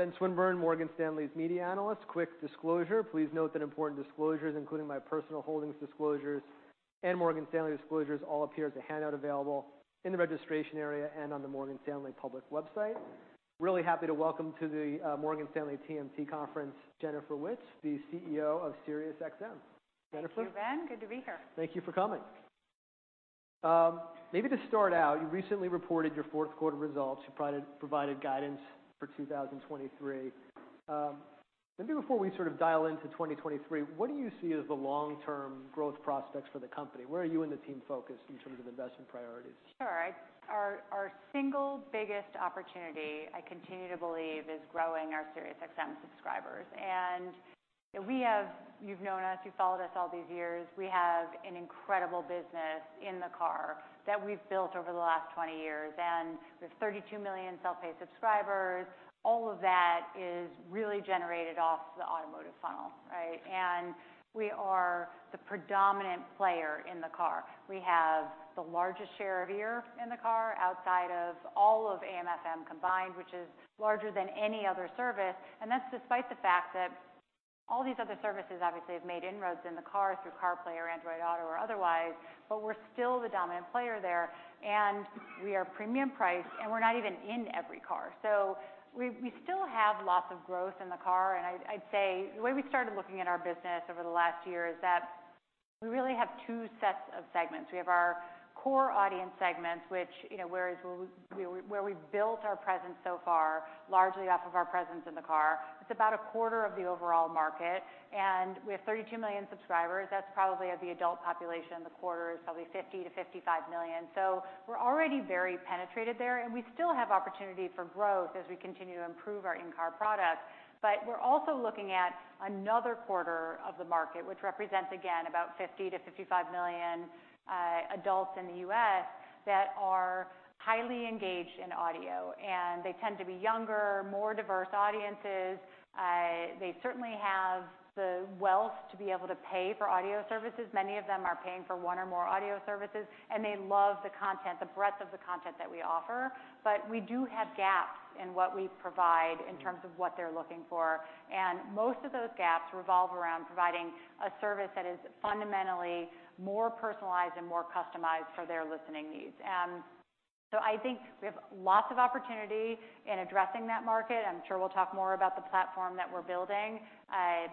Benjamin Swinburne, Morgan Stanley's Media Analyst. Quick disclosure. Please note that important disclosures, including my personal holdings disclosures and Morgan Stanley disclosures, all appear at the handout available in the registration area and on the Morgan Stanley public website. Really happy to welcome to the Morgan Stanley TMT conference, Jennifer Witz, the CEO of SiriusXM. Jennifer. Thank you, Ben. Good to be here. Thank you for coming. Maybe to start out, you recently reported your fourth quarter results. You provided guidance for 2023. Maybe before we sort of dial into 2023, what do you see as the long-term growth prospects for the company? Where are you and the team focused in terms of investment priorities? Sure. Our single biggest opportunity, I continue to believe, is growing our SiriusXM subscribers. You've known us, you've followed us all these years. We have an incredible business in the car that we've built over the last 20 years, and there's 32 million self-pay subscribers. All of that is really generated off the automotive funnel, right? We are the predominant player in the car. We have the largest share of ear in the car outside of all of AM/FM combined, which is larger than any other service. That's despite the fact that all these other services, obviously, have made inroads in the car through CarPlay or Android Auto or otherwise, but we're still the dominant player there, and we are premium priced, and we're not even in every car. We still have lots of growth in the car. I'd say the way we started looking at our business over the last year is that we really have two sets of segments. We have our core audience segments, which, you know, where we've built our presence so far, largely off of our presence in the car. It's about a quarter of the overall market, and we have 32 million subscribers. That's probably of the adult population in the quarter is probably 50-55 million. We're already very penetrated there, and we still have opportunity for growth as we continue to improve our in-car product. We're also looking at another quarter of the market, which represents, again, about 50-55 million adults in the U.S. that are highly engaged in audio. They tend to be younger, more diverse audiences. They certainly have the wealth to be able to pay for audio services. Many of them are paying for one or more audio services, and they love the content, the breadth of the content that we offer. We do have gaps in what we provide in terms of what they're looking for. Most of those gaps revolve around providing a service that is fundamentally more personalized and more customized for their listening needs. I think we have lots of opportunity in addressing that market. I'm sure we'll talk more about the platform that we're building,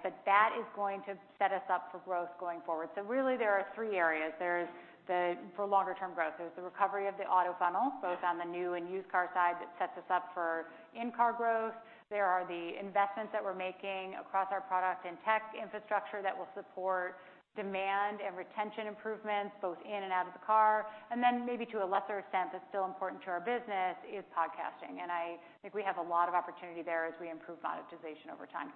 but that is going to set us up for growth going forward. Really there are three areas. There's the for longer term growth, there's the recovery of the auto funnel, both on the new and used car side that sets us up for in-car growth. There are the investments that we're making across our product and tech infrastructure that will support demand and retention improvements both in and out of the car. Then maybe to a lesser extent, but still important to our business, is podcasting. I think we have a lot of opportunity there as we improve monetization over time.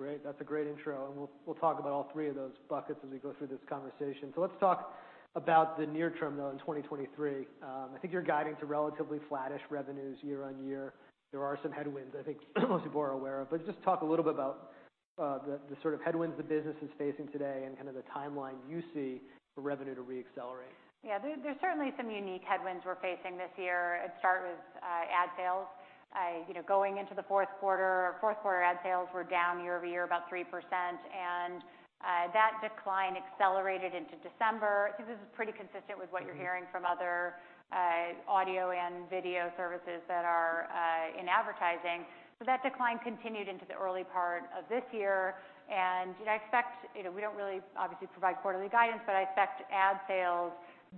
Great. That's a great intro. We'll talk about all three of those buckets as we go through this conversation. Let's talk about the near term, though, in 2023. I think you're guiding to relatively flattish revenues year-on-year. There are some headwinds, I think most people are aware of. Just talk a little bit about the sort of headwinds the business is facing today and kind of the timeline you see for revenue to re-accelerate. Yeah. There's certainly some unique headwinds we're facing this year. I'd start with ad sales. You know, going into the fourth quarter, fourth quarter ad sales were down year-over-year about 3%, that decline accelerated into December. I think this is pretty consistent with what you're hearing from other audio and video services that are in advertising. That decline continued into the early part of this year. You know, we don't really, obviously, provide quarterly guidance, but I expect ad sales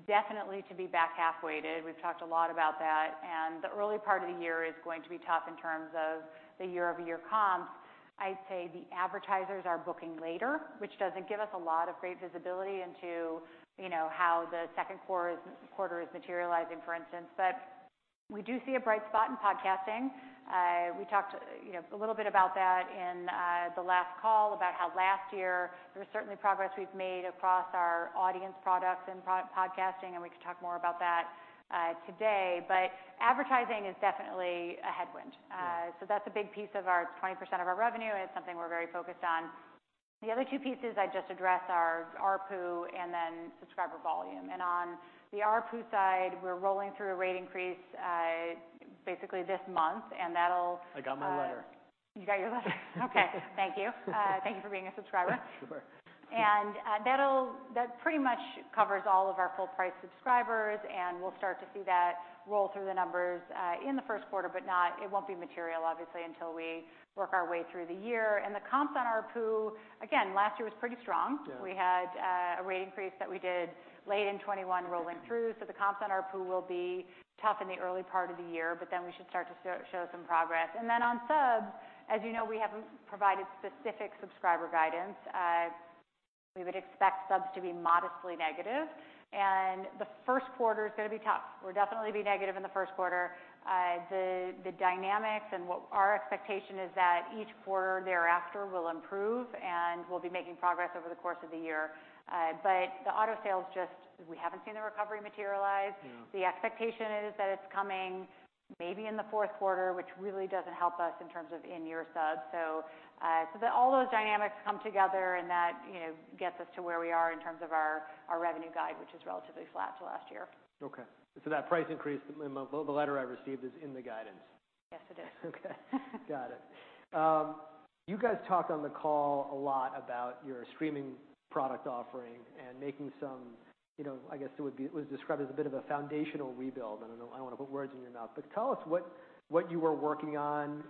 definitely to be back half weighted. We've talked a lot about that, the early part of the year is going to be tough in terms of the year-over-year comps. I'd say the advertisers are booking later, which doesn't give us a lot of great visibility into, you know, how the second quarter is materializing, for instance. We do see a bright spot in podcasting. We talked, you know, a little bit about that in the last call about how last year there was certainly progress we've made across our audience products and pro-podcasting, and we can talk more about that today. Advertising is definitely a headwind. Yeah. That's a big piece of our 20% of our revenue, and it's something we're very focused on. The other two pieces I just addressed are ARPU and then subscriber volume. On the ARPU side, we're rolling through a rate increase, basically this month, and that'll. I got my letter. You got your letter? Okay. Thank you. Thank you for being a subscriber. Sure. That pretty much covers all of our full price subscribers, and we'll start to see that roll through the numbers in the first quarter. It won't be material, obviously, until we work our way through the year. The comps on ARPU, again, last year was pretty strong. Yeah. We had a rate increase that we did late in 2021 rolling through. The comps on ARPU will be tough in the early part of the year, but then we should start to show some progress. On subs, as you know, we haven't provided specific subscriber guidance. We would expect subs to be modestly negative, and the first quarter is gonna be tough. We'll definitely be negative in the first quarter. The dynamics and what our expectation is that each quarter thereafter will improve, and we'll be making progress over the course of the year. The auto sales just, we haven't seen the recovery materialize. Yeah. The expectation is that it's coming maybe in the fourth quarter, which really doesn't help us in terms of in-year subs. All those dynamics come together and that, you know, gets us to where we are in terms of our revenue guide, which is relatively flat to last year. Okay. That price increase, the letter I received is in the guidance? Yes, it is. Okay. Got it. You guys talked on the call a lot about your streaming product offering and making some, you know, I guess it was described as a bit of a foundational rebuild. I don't know, I don't wanna put words in your mouth, but tell us what you were working on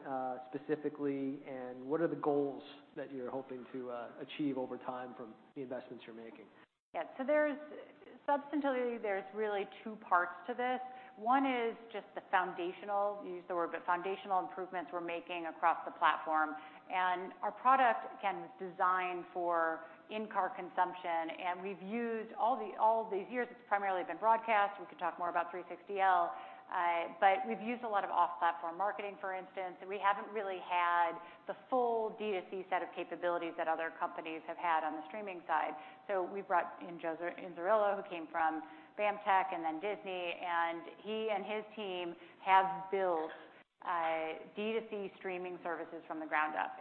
specifically and what are the goals that you're hoping to achieve over time from the investments you're making? Substantively, there's really two parts to this. One is just the foundational, you used the word, but foundational improvements we're making across the platform. Our product, again, was designed for in-car consumption, and we've used all of these years it's primarily been broadcast. We can talk more about 360L. But we've used a lot of off-platform marketing, for instance. We haven't really had the full D2C set of capabilities that other companies have had on the streaming side. We brought in Joe Inzerillo, who came from BAMTech and then Disney, and he and his team have built D2C streaming services from the ground up.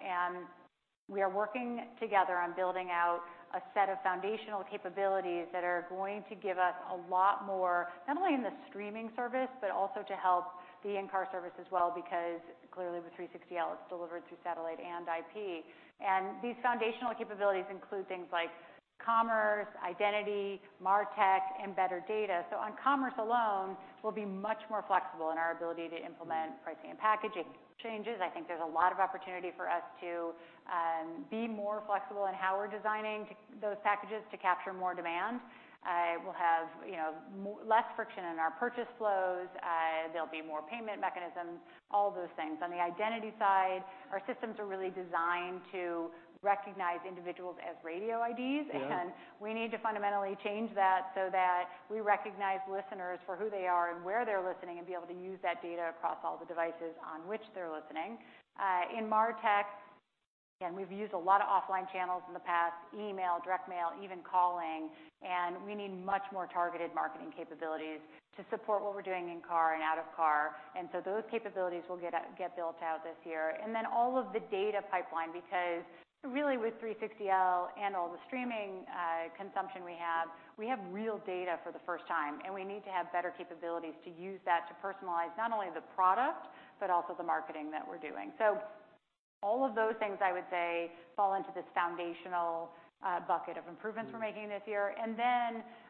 We are working together on building out a set of foundational capabilities that are going to give us a lot more, not only in the streaming service, but also to help the in-car service as well, because clearly with 360L, it's delivered through satellite and IP. These foundational capabilities include things like commerce, identity, MarTech, and better data. On commerce alone, we'll be much more flexible in our ability to implement pricing and packaging changes. I think there's a lot of opportunity for us to be more flexible in how we're designing those packages to capture more demand. We'll have, you know, less friction in our purchase flows. There'll be more payment mechanisms, all of those things. On the identity side, our systems are really designed to recognize individuals as radio IDs. Yeah. We need to fundamentally change that so that we recognize listeners for who they are and where they're listening, and be able to use that data across all the devices on which they're listening. In MarTech, again, we've used a lot of offline channels in the past, email, direct mail, even calling, and we need much more targeted marketing capabilities to support what we're doing in-car and out-of-car. Those capabilities will get built out this year. All of the data pipeline, because really with 360L and all the streaming consumption we have, we have real data for the first time, and we need to have better capabilities to use that to personalize not only the product but also the marketing that we're doing. All of those things, I would say, fall into this foundational bucket of improvements. Mm-hmm. -we're making this year.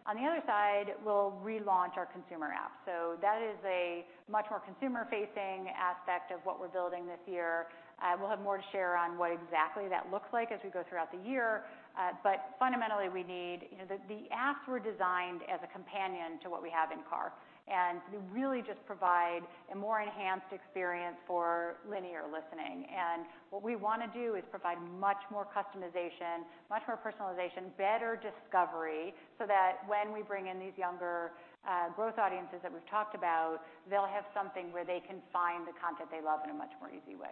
On the other side, we'll relaunch our consumer app. That is a much more consumer-facing aspect of what we're building this year. We'll have more to share on what exactly that looks like as we go throughout the year. Fundamentally, You know, the apps were designed as a companion to what we have in car, and they really just provide a more enhanced experience for linear listening. What we wanna do is provide much more customization, much more personalization, better discovery, so that when we bring in these younger, growth audiences that we've talked about, they'll have something where they can find the content they love in a much more easy way.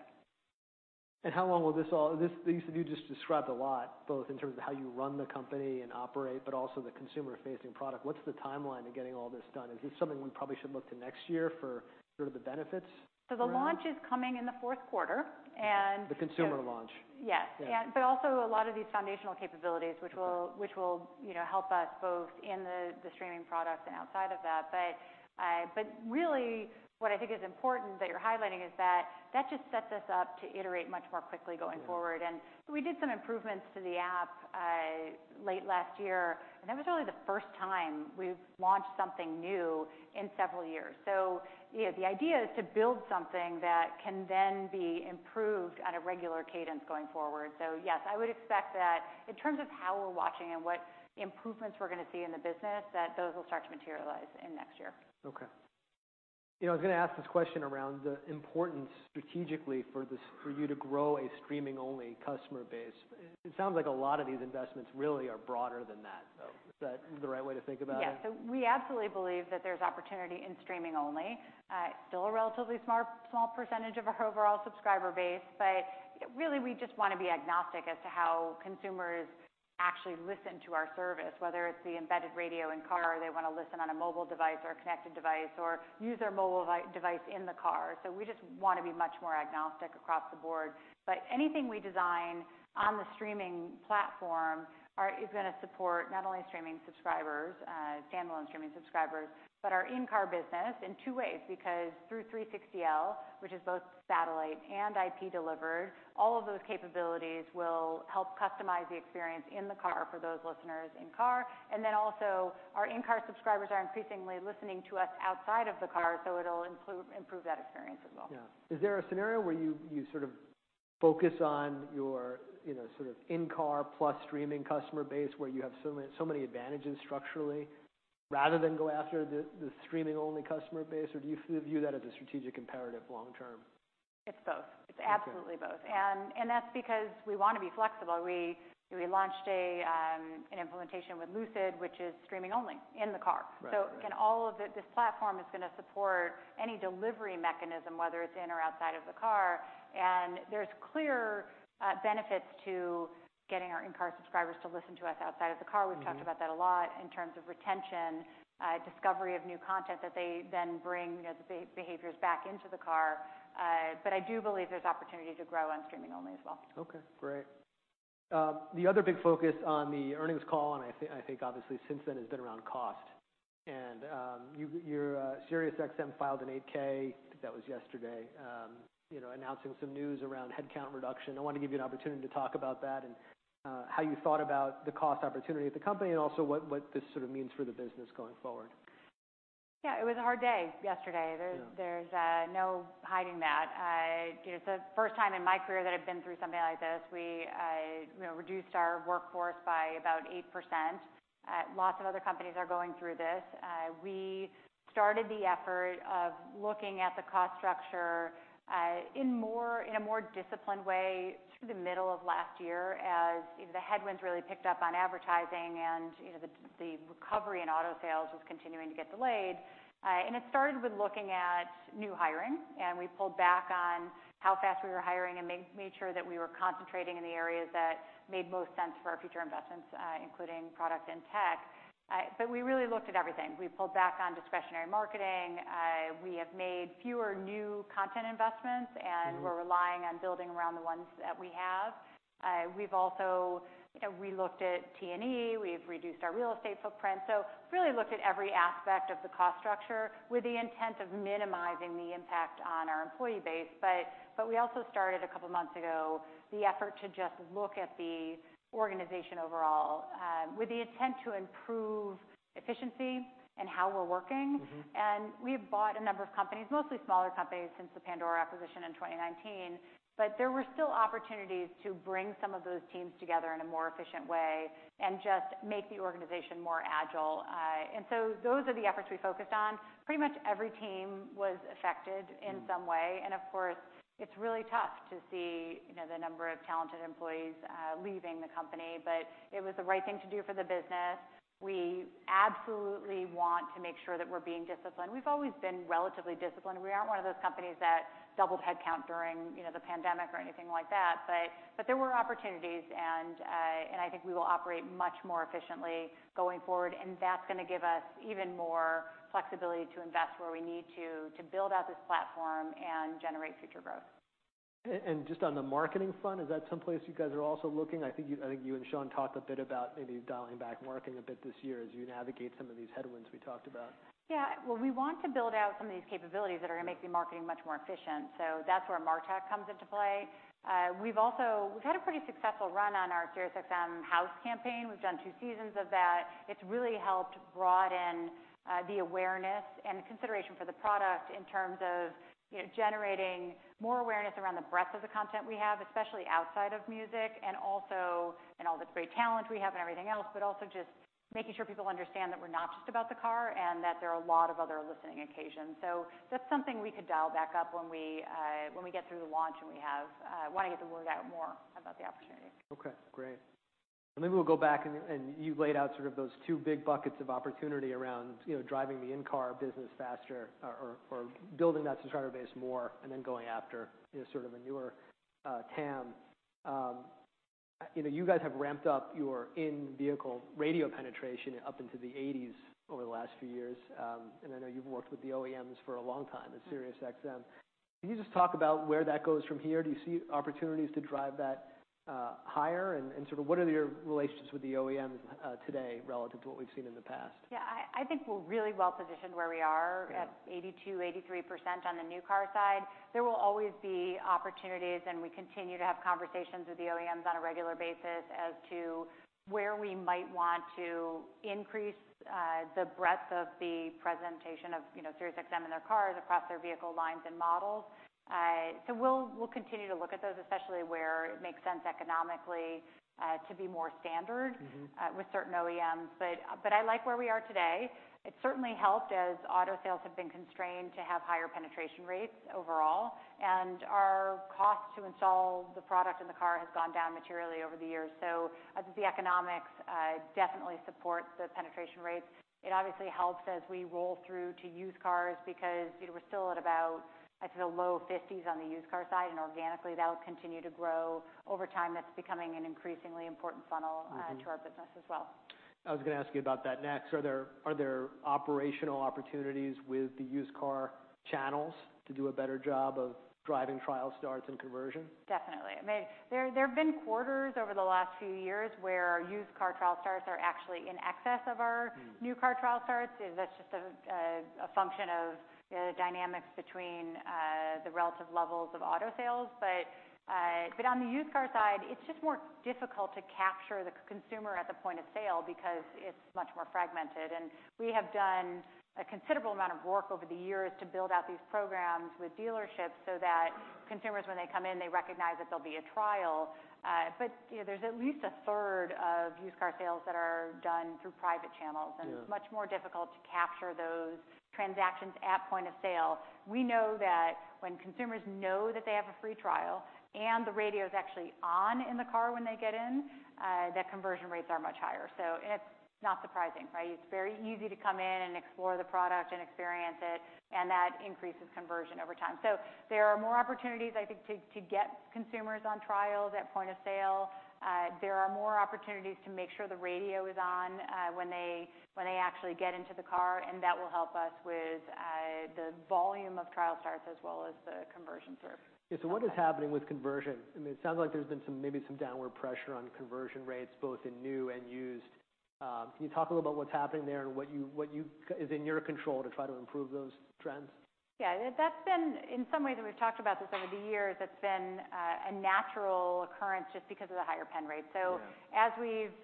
How long will this all-- this-- these-- you just described a lot, both in terms of how you run the company and operate, but also the consumer-facing product. What's the timeline to getting all this done? Is this something we probably should look to next year for sort of the benefits around? The launch is coming in the fourth quarter. The consumer launch. Yes. Yeah. But also a lot of these foundational capabilities. Okay. Which will, you know, help us both in the streaming product and outside of that. Really what I think is important that you're highlighting is that that just sets us up to iterate much more quickly going forward. Yeah. We did some improvements to the app late last year, and that was only the first time we've launched something new in several years. You know, the idea is to build something that can then be improved at a regular cadence going forward. Yes, I would expect that in terms of how we're watching and what improvements we're gonna see in the business, that those will start to materialize in next year. Okay. You know, I was gonna ask this question around the importance strategically for this, for you to grow a streaming-only customer base. It sounds like a lot of these investments really are broader than that, though. Is that the right way to think about it? Yes. We absolutely believe that there's opportunity in streaming only. Still a relatively smart, small percentage of our overall subscriber base, but really we just wanna be agnostic as to how consumers actually listen to our service, whether it's the embedded radio in-car, or they wanna listen on a mobile device or a connected device, or use their mobile device in the car. We just wanna be much more agnostic across the board. Anything we design on the streaming platform is gonna support not only streaming subscribers, standalone streaming subscribers, but our in-car business in two ways. Through 360L, which is both satellite and IP delivered, all of those capabilities will help customize the experience in the car for those listeners in car. Also our in-car subscribers are increasingly listening to us outside of the car, so it'll improve that experience as well. Yeah. Is there a scenario where you sort of focus on your, you know, sort of in-car plus streaming customer base where you have so many advantages structurally rather than go after the streaming-only customer base, or do you view that as a strategic imperative long term? It's both. Okay. It's absolutely both. And that's because we wanna be flexible. We, we launched a, an implementation with Lucid, which is streaming only in the car. Right. Again, all of it, this platform is gonna support any delivery mechanism, whether it's in or outside of the car. There's clear benefits to getting our in-car subscribers to listen to us outside of the car. Mm-hmm. We've talked about that a lot in terms of retention, discovery of new content that they then bring, you know, behaviors back into the car. I do believe there's opportunity to grow on streaming only as well. Okay, great. The other big focus on the earnings call, and I think obviously since then, has been around cost. SiriusXM filed an Form 8-K, I think that was yesterday, you know, announcing some news around headcount reduction. I want to give you an opportunity to talk about that and how you thought about the cost opportunity at the company, and also what this sort of means for the business going forward. Yeah, it was a hard day yesterday. Yeah. There's no hiding that. You know, it's the first time in my career that I've been through something like this. We, you know, reduced our workforce by about 8%. Lots of other companies are going through this. We started the effort of looking at the cost structure in a more disciplined way through the middle of last year as the headwinds really picked up on advertising and, you know, the recovery in auto sales was continuing to get delayed. It started with looking at new hiring, and we pulled back on how fast we were hiring and made sure that we were concentrating in the areas that made most sense for our future investments, including product and tech. We really looked at everything. We pulled back on discretionary marketing. We have made fewer new content investments. Mm-hmm. We're relying on building around the ones that we have. We've also, you know, relooked at T&E. We've reduced our real estate footprint. Really looked at every aspect of the cost structure with the intent of minimizing the impact on our employee base. We also started a couple months ago the effort to just look at the organization overall, with the intent to improve efficiency and how we're working. Mm-hmm. We've bought a number of companies, mostly smaller companies since the Pandora acquisition in 2019. There were still opportunities to bring some of those teams together in a more efficient way and just make the organization more agile. Those are the efforts we focused on. Pretty much every team was affected in some way. Mm-hmm. Of course, it's really tough to see, you know, the number of talented employees leaving the company. It was the right thing to do for the business. We absolutely want to make sure that we're being disciplined. We've always been relatively disciplined. We aren't one of those companies that doubled headcount during, you know, the pandemic or anything like that. There were opportunities and I think we will operate much more efficiently going forward, and that's gonna give us even more flexibility to invest where we need to build out this platform and generate future growth. Just on the marketing front, is that someplace you guys are also looking? I think you and Sean talked a bit about maybe dialing back marketing a bit this year as you navigate some of these headwinds we talked about. Yeah. Well, we want to build out some of these capabilities that are gonna make the marketing much more efficient. That's where MarTech comes into play. We've had a pretty successful run on our SiriusXM House campaign. We've done two seasons of that. It's really helped broaden the awareness and consideration for the product in terms of, you know, generating more awareness around the breadth of the content we have, especially outside of music and all the great talent we have and everything else. Also just making sure people understand that we're not just about the car and that there are a lot of other listening occasions. That's something we could dial back up when we get through the launch, and we want to get the word out more about the opportunity. Okay, great. Maybe we'll go back and you laid out sort of those two big buckets of opportunity around, you know, driving the in-car business faster or building that subscriber base more and then going after, you know, sort of a newer TAM. You know, you guys have ramped up your in-vehicle radio penetration up into the 80s over the last few years. I know you've worked with the OEMs for a long time at SiriusXM. Mm-hmm. Can you just talk about where that goes from here? Do you see opportunities to drive that higher and sort of what are your relationships with the OEMs today relative to what we've seen in the past? Yeah. I think we're really well-positioned where we are- Yeah. -at 82%, 83% on the new car side. There will always be opportunities, and we continue to have conversations with the OEMs on a regular basis as to where we might want to increase, the breadth of the presentation of, you know, SiriusXM in their cars across their vehicle lines and models. We'll continue to look at those, especially where it makes sense economically, to be more standard. Mm-hmm. With certain OEMs. I like where we are today. It certainly helped, as auto sales have been constrained, to have higher penetration rates overall. Our cost to install the product in the car has gone down materially over the years. I think the economics definitely support the penetration rates. It obviously helps as we roll through to used cars because, you know, we're still at about, I'd say, the low fifties on the used car side, and organically that will continue to grow over time. That's becoming an increasingly important funnel. Mm-hmm. to our business as well. I was gonna ask you about that next. Are there operational opportunities with the used car channels to do a better job of driving trial starts and conversion? Definitely. I mean, there have been quarters over the last few years where our used car trial starts are actually in excess of our. Hmm. new car trial starts. That's just a function of the dynamics between the relative levels of auto sales. On the used car side, it's just more difficult to capture the consumer at the point of sale because it's much more fragmented. We have done a considerable amount of work over the years to build out these programs with dealerships so that consumers, when they come in, they recognize that there'll be a trial. You know, there's at least a third of used car sales that are done through private channels. Yeah. It's much more difficult to capture those transactions at point of sale. We know that when consumers know that they have a free trial and the radio's actually on in the car when they get in, that conversion rates are much higher. It's not surprising, right? It's very easy to come in and explore the product and experience it, and that increases conversion over time. There are more opportunities, I think, to get consumers on trials at point of sale. There are more opportunities to make sure the radio is on when they actually get into the car, and that will help us with the volume of trial starts as well as the conversion rates. Yeah. What is happening with conversion? I mean, it sounds like there's been some, maybe some downward pressure on conversion rates, both in new and used. Can you talk a little about what's happening there and what is in your control to try to improve those trends? Yeah. That's been, in some ways, and we've talked about this over the years, it's been, a natural occurrence just because of the higher pen rate. Yeah. As we've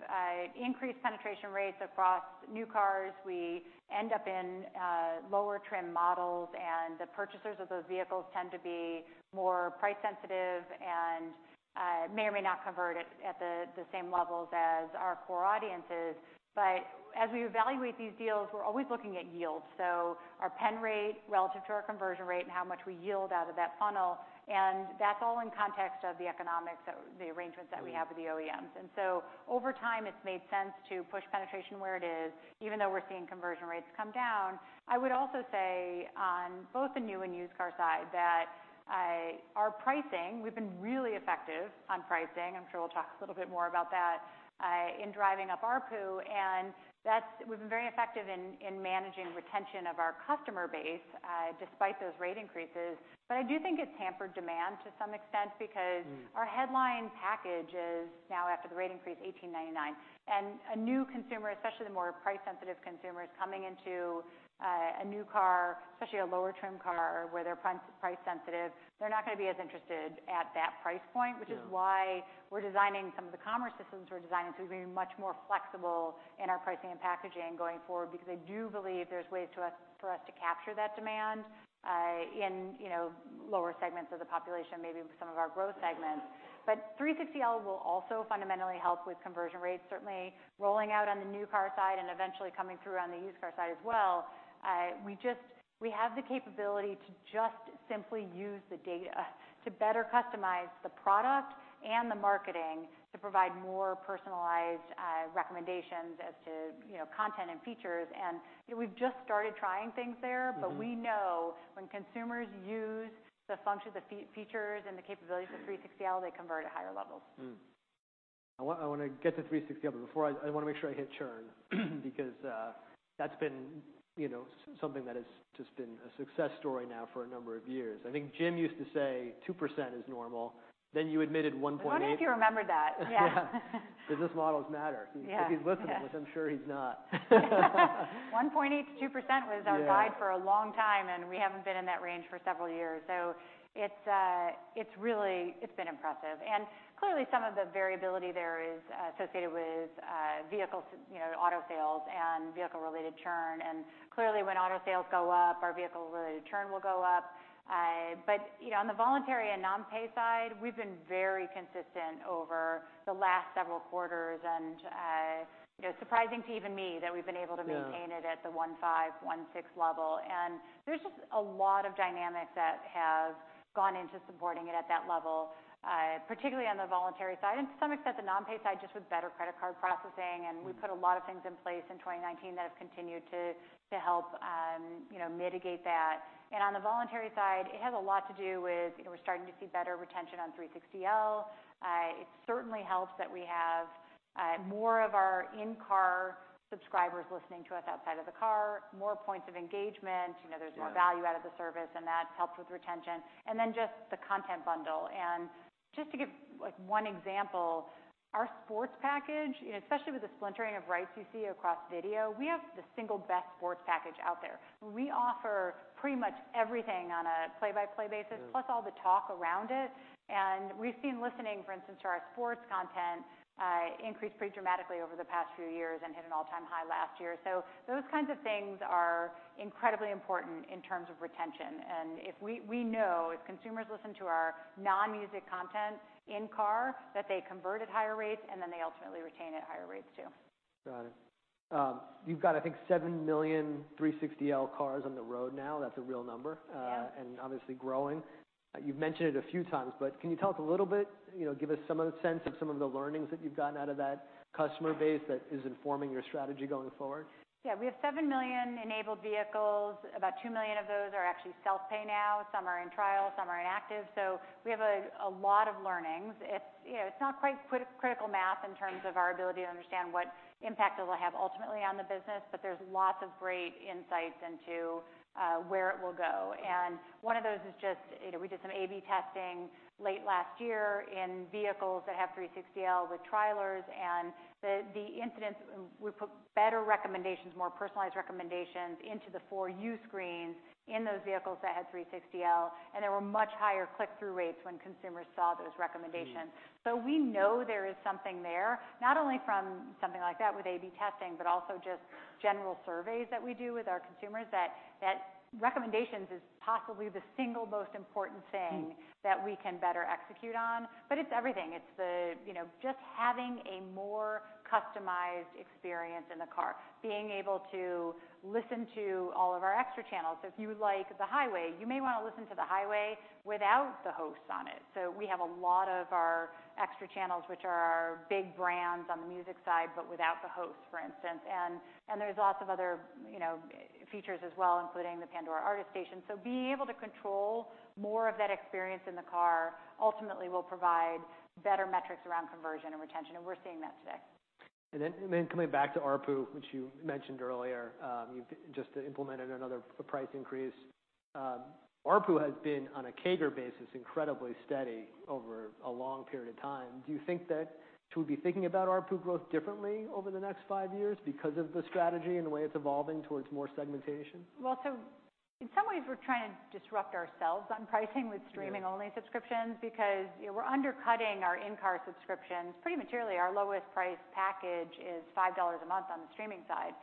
increased penetration rates across new cars, we end up in lower trim models, and the purchasers of those vehicles tend to be more price sensitive and may or may not convert at the same levels as our core audiences. As we evaluate these deals, we're always looking at yields, so our pen rate relative to our conversion rate and how much we yield out of that funnel, and that's all in context of the economics of the arrangements that we have with the OEMs. Over time, it's made sense to push penetration where it is, even though we're seeing conversion rates come down. I would also say on both the new and used car side, that our pricing, we've been really effective on pricing. I'm sure we'll talk a little bit more about that, in driving up ARPU. We've been very effective in managing retention of our customer base, despite those rate increases. I do think it's hampered demand to some extent. Mm. Our headline package is now, after the rate increase, $18.99. A new consumer, especially the more price-sensitive consumers coming into a new car, especially a lower trim car where they're price sensitive, they're not gonna be as interested at that price point. Yeah. Which is why we're designing some of the commerce systems we're designing to be much more flexible in our pricing and packaging going forward because I do believe there's ways for us to capture that demand, in, you know, lower segments of the population, maybe some of our growth segments. 360L will also fundamentally help with conversion rates, certainly rolling out on the new car side and eventually coming through on the used car side as well. We have the capability to just simply use the data to better customize the product and the marketing to provide more personalized recommendations as to, you know, content and features. You know, we've just started trying things there. Mm-hmm. We know when consumers use the functions, the features and the capabilities of 360L, they convert at higher levels. I wanna get to 360L. Before I wanna make sure I hit churn because that's been, you know, something that has just been a success story now for a number of years. I think Jim used to say 2% is normal. You admitted 1.8%. I wonder if he remembered that. Yeah. Yeah. Business models matter. Yeah. If he's listening, which I'm sure he's not. 1.8%-2% was our guide for a long time. We haven't been in that range for several years. It's really been impressive. Clearly, some of the variability there is associated with vehicles, you know, auto sales and vehicle-related churn. Clearly, when auto sales go up, our vehicle-related churn will go up. You know, on the voluntary and non-pay side, we've been very consistent over the last several quarters and, you know, surprising to even me that we've been able to maintain it at the 1.5-1.6 level. There's just a lot of dynamics that have gone into supporting it at that level, particularly on the voluntary side and to some extent, the non-pay side, just with better credit card processing. We put a lot of things in place in 2019 that have continued to help, you know, mitigate that. On the voluntary side, it has a lot to do with, you know, we're starting to see better retention on 360L. It certainly helps that we have more of our in-car subscribers listening to us outside of the car, more points of engagement. You know, there's more value out of the service, and that helps with retention. Then just the content bundle. Just to give, like, one example, our sports package, especially with the splintering of rights you see across video, we have the single best sports package out there. We offer pretty much everything on a play-by-play basis, plus all the talk around it. We've seen listening, for instance, to our sports content, increase pretty dramatically over the past few years and hit an all-time high last year. Those kinds of things are incredibly important in terms of retention. If we know if consumers listen to our non-music content in-car, that they convert at higher rates, and then they ultimately retain at higher rates too. Got it. You've got, I think, 7 million 360L cars on the road now. That's a real number. Yeah. Obviously growing. You've mentioned it a few times, but can you tell us a little bit, you know, give us some of the sense of some of the learnings that you've gotten out of that customer base that is informing your strategy going forward? We have 7 million enabled vehicles. About 2 million of those are actually self-pay now. Some are in trial, some are inactive. We have a lot of learnings. It's, you know, it's not quite critical math in terms of our ability to understand what impact it'll have ultimately on the business, but there's lots of great insights into where it will go. One of those is just, you know, we did some AB testing late last year in vehicles that have 360L with trialers, and the incidents, we put better recommendations, more personalized recommendations into the for you screens in those vehicles that had 360L, and there were much higher click-through rates when consumers saw those recommendations. Mm. We know there is something there, not only from something like that with AB testing, but also just general surveys that we do with our consumers, that recommendations is possibly the single most important thing that we can better execute on. It's everything. It's the, you know, just having a more customized experience in the car, being able to listen to all of our extra channels. If you like The Highway, you may want to listen to The Highway without the host on it. We have a lot of our extra channels, which are our big brands on the music side, but without the host, for instance. There's lots of other, you know, features as well, including the Pandora Artist Station. Being able to control more of that experience in the car ultimately will provide better metrics around conversion and retention, and we're seeing that today. Coming back to ARPU, which you mentioned earlier, you've just implemented another price increase. ARPU has been, on a CAGR basis, incredibly steady over a long period of time. Should we be thinking about ARPU growth differently over the next five years because of the strategy and the way it's evolving towards more segmentation? Well, in some ways we're trying to disrupt ourselves on pricing. Yeah. -streaming-only subscriptions because, you know, we're undercutting our in-car subscriptions pretty materially. Our lowest price package is $5 a month on the streaming side.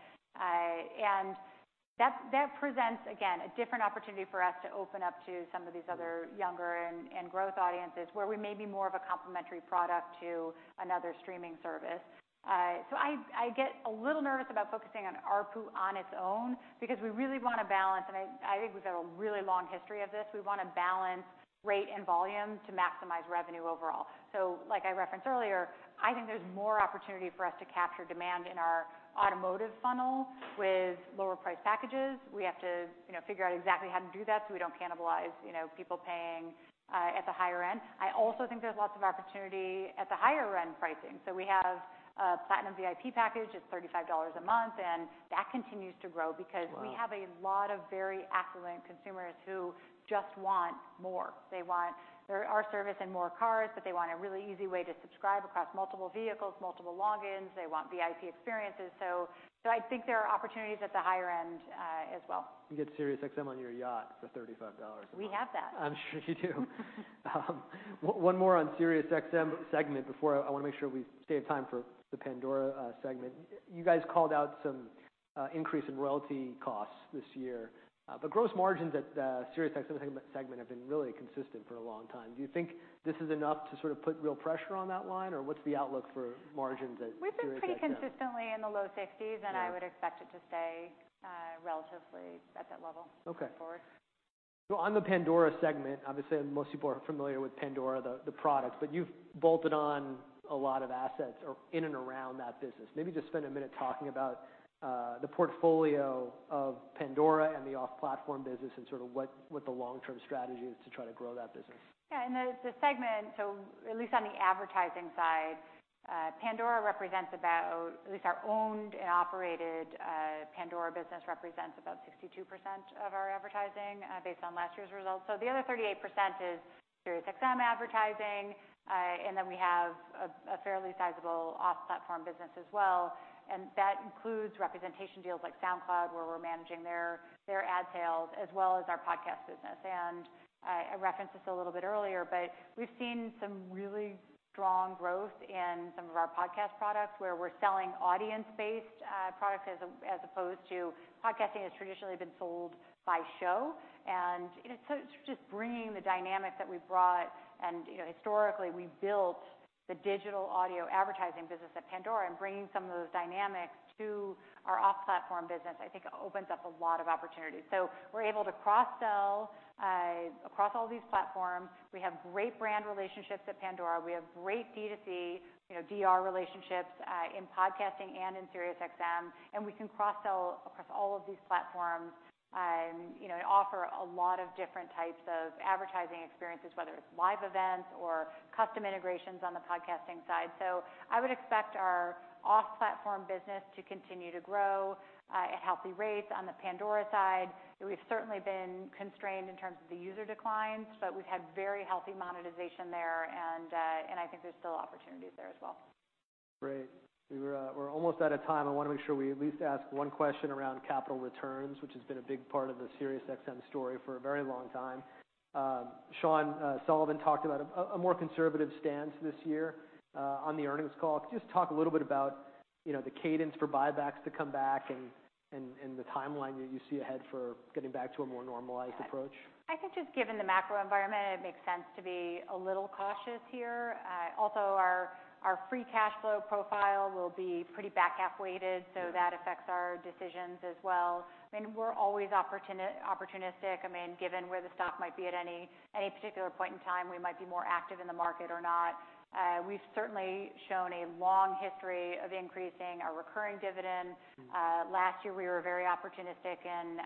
That presents, again, a different opportunity for us to open up to some of these other younger and growth audiences where we may be more of a complementary product to another streaming service. I get a little nervous about focusing on ARPU on its own because we really wanna balance. I think we've got a really long history of this. We wanna balance rate and volume to maximize revenue overall. Like I referenced earlier, I think there's more opportunity for us to capture demand in our automotive funnel with lower-priced packages. We have to, you know, figure out exactly how to do that so we don't cannibalize, you know, people paying at the higher end. I also think there's lots of opportunity at the higher-end pricing. We have a Platinum VIP package that's $35 a month, and that continues to grow because. Wow. We have a lot of very affluent consumers who just want more. They want our service in more cars, but they want a really easy way to subscribe across multiple vehicles, multiple logins. They want VIP experiences. I think there are opportunities at the higher end, as well. You get SiriusXM on your yacht for $35 a month. We have that. I'm sure you do. One more on SiriusXM segment before I wanna make sure we save time for the Pandora segment. You guys called out some increase in royalty costs this year. Gross margins at SiriusXM segment have been really consistent for a long time. Do you think this is enough to sort of put real pressure on that line, or what's the outlook for margins at SiriusXM? We've been pretty consistently in the low 60s. Yeah. I would expect it to stay, relatively at that level. Okay. going forward. On the Pandora segment, obviously most people are familiar with Pandora, the product, but you've bolted on a lot of assets or in and around that business. Maybe just spend a minute talking about the portfolio of Pandora and the off-platform business and sort of what the long-term strategy is to try to grow that business. I know the segment, so at least on the advertising side, Pandora represents about... At least our owned and operated Pandora business represents about 62% of our advertising, based on last year's results. The other 38% is SiriusXM advertising. We have a fairly sizable off-platform business as well, and that includes representation deals like SoundCloud, where we're managing their ad sales, as well as our podcast business. I referenced this a little bit earlier, but we've seen some really strong growth in some of our podcast products, where we're selling audience-based products as opposed to podcasting has traditionally been sold by show. It's just bringing the dynamic that we've brought. You know, historically we built the digital audio advertising business at Pandora, and bringing some of those dynamics to our off-platform business, I think opens up a lot of opportunities. We're able to cross-sell across all these platforms. We have great brand relationships at Pandora. We have great D2C, you know, DR relationships in podcasting and in SiriusXM, and we can cross-sell across all of these platforms. You know, offer a lot of different types of advertising experiences, whether it's live events or custom integrations on the podcasting side. I would expect our off-platform business to continue to grow at healthy rates. On the Pandora side, we've certainly been constrained in terms of the user declines, but we've had very healthy monetization there, and I think there's still opportunities there as well. Great. We're almost out of time. I wanna make sure we at least ask one question around capital returns, which has been a big part of the SiriusXM story for a very long time. Sean Sullivan talked about a more conservative stance this year on the earnings call. Could you just talk a little bit about, you know, the cadence for buybacks to come back and the timeline that you see ahead for getting back to a more normalized approach? I think just given the macro environment, it makes sense to be a little cautious here. Also our free cash flow profile will be pretty back-half weighted. Yeah. That affects our decisions as well. I mean, we're always opportunistic. I mean, given where the stock might be at any particular point in time, we might be more active in the market or not. We've certainly shown a long history of increasing our recurring dividend. Mm-hmm. Last year we were very opportunistic in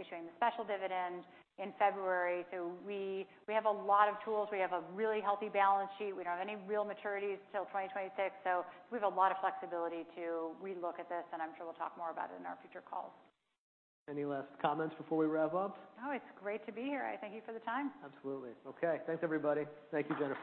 issuing the special dividend in February. We have a lot of tools. We have a really healthy balance sheet. We don't have any real maturities till 2026, so we have a lot of flexibility to relook at this, and I'm sure we'll talk more about it in our future calls. Any last comments before we wrap up? It's great to be here. I thank you for the time. Absolutely. Okay, thanks everybody. Thank you, Jennifer.